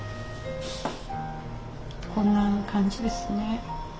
こんな感じですね。